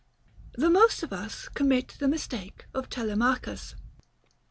9. The most of us commit the mistake of Telemachus.